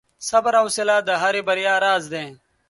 • صبر او حوصله د هرې بریا راز دی.